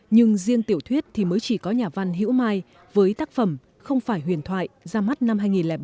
nhưng riêng tiểu thuyết thì mới chỉ có nhà văn hiễu mai với tác phẩm không phải huyền thoại ra mắt năm hai nghìn bảy